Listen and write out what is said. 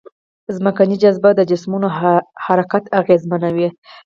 ځمکنۍ جاذبه د جسمونو حرکت اغېزمنوي.